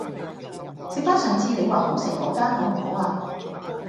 食返上次你話好食嗰間好唔好啊